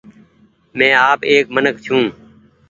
مين آپ ايڪ منک ڇون۔